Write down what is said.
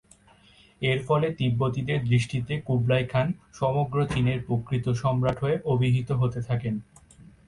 এরফলে তিব্বতীদের দৃষ্টিতে কুবলাই খান সমগ্র চীনের প্রকৃত সম্রাট হয়ে অভিহিত হতে থাকেন।